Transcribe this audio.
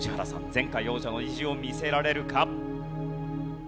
前回王者の意地を見せられるか？